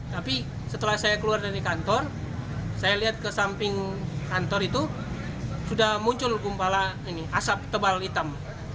tapi setelah saya keluar dari kantor saya lihat ke samping kantor itu sudah muncul gumpala asap tebal hitam